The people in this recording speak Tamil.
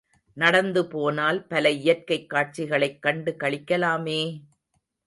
நடந்து போனால் பல இயற்கைக் காட்சிகளைக் கண்டு களிக்கலாமே!